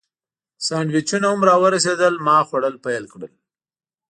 سانډویچونه هم راورسېدل، ما خوړل پیل کړل.